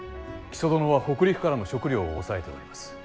木曽殿は北陸からの食糧を押さえております。